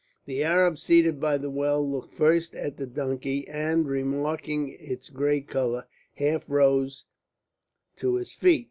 The Arab seated by the well looked first at the donkey, and, remarking its grey colour, half rose to his feet.